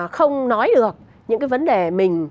không nói được những cái vấn đề mình